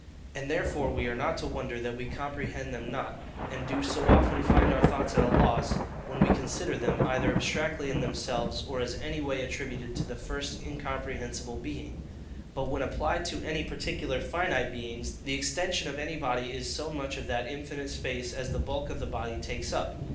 And therefore we are not to wonder that we comprehend them not, and do so often find our thoughts at a loss, when we would consider them, either abstractly in themselves, or as any way attributed to the first incomprehensible Being. But when applied to any particular finite beings, the extension of any body is so much of that infinite space as the bulk of the body takes up.